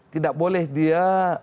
tidak boleh dia